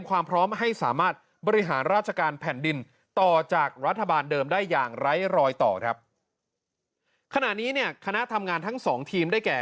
คณะทำงานทั้ง๒ทีมได้แก่